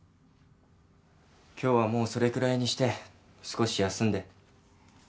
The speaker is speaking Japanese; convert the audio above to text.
今日はもうそれくらいにして少し休んで。